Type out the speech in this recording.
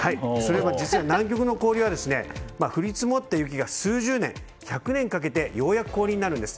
実は南極の氷は降り積もった雪が数十年、１００年かけてようやく氷になるんです。